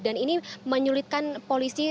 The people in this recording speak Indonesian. dan ini menyulitkan polisi